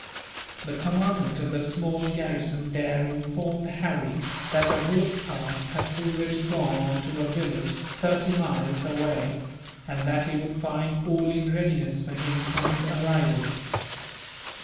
The commandant of the small garrison there informed Harry that the bullock carts had already gone on to a village, thirty miles away; and that he would find all in readiness for him, on his arrival.